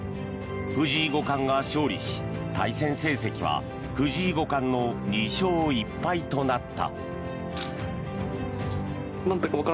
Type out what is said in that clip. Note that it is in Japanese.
藤井五冠が勝利し、対戦成績は藤井五冠の２勝１敗となった。